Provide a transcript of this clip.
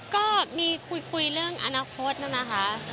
ก็มีคุยเรื่องอนาคตนะคะ